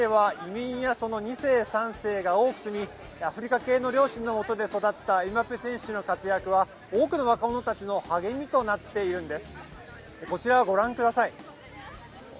ここの地域では移民やその２世３世が多く住みアフリカ系の両親のもとで育ったエムバペ選手の活躍は多くの若者たちの励みとなっているんです。